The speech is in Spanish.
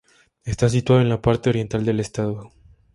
Está situado en la parte oriental del estado.